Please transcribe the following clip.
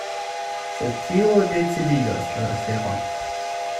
Sed tio decidigas la aferon.